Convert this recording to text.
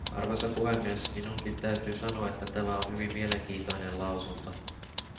Arvoisa puhemies, minunkin täytyy sanoa, että tämä on hyvin mielenkiintoinen lausunto.